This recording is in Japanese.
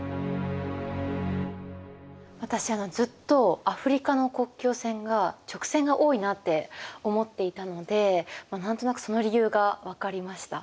私ずっとアフリカの国境線が直線が多いなって思っていたので何となくその理由が分かりました。